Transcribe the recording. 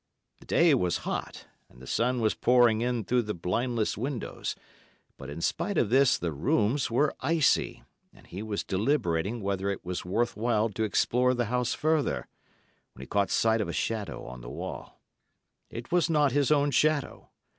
The day was hot, and the sun was pouring in through the blindless windows; but in spite of this the rooms were icy, and he was deliberating whether it was worth while to explore the house further, when he caught sight of a shadow on the wall. It was not his own shadow.